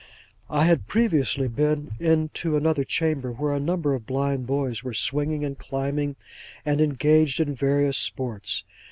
I had previously been into another chamber, where a number of blind boys were swinging, and climbing, and engaged in various sports.